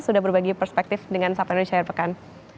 sudah berbagi perspektif dengan sapa indonesia herpekan